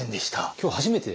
今日初めて？